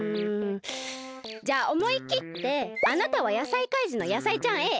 うんじゃあおもいきってあなたは野菜怪人の野菜ちゃん